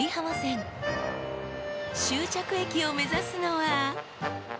［終着駅を目指すのは］